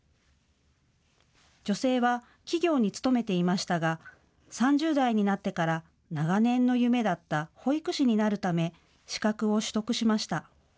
女性は企業に勤めていましたが３０代になってから長年の夢だった保育士になるため資格を取得しました。